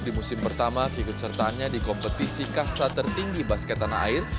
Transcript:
di musim pertama keikutsertaannya di kompetisi kasta tertinggi basket tanah air